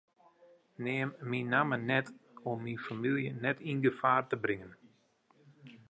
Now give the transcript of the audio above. Neam myn namme net om myn famylje net yn gefaar te bringen.